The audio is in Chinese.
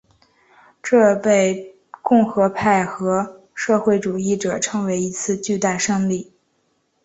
这被共和派和社会主义者称为一次巨大胜利。